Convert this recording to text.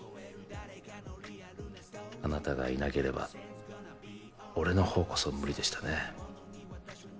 あなたがいなければ俺のほうこそ無理でしたね